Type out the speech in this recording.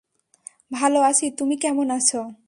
ভালো আছি, তুমি কেমন আছো?